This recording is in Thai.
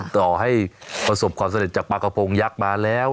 ต่อให้ประสบความสำเร็จจากปลากระพงยักษ์มาแล้ว